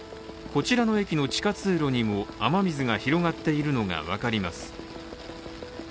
こちらの駅の地下通路にも雨水が広がっているのが分かります。